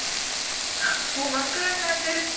もう真っ黒になってる。